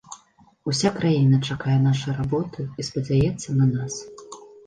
Уся краіна чакае нашай работы і спадзяецца на нас.